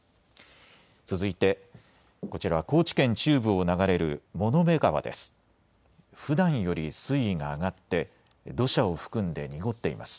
続いてこちらは高知県中部を流れる物部川です。